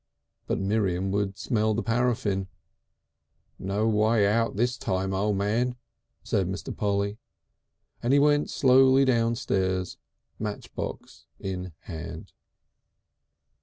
But Miriam would smell the paraffine! "No way out this time, O' Man," said Mr. Polly; and he went slowly downstairs, matchbox in hand.